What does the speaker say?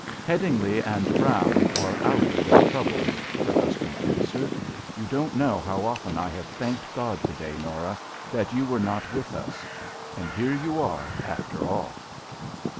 "Headingly and Brown are out of their troubles," her husband answered. "You don't know how often I have thanked God to day, Norah, that you were not with us. And here you are, after all."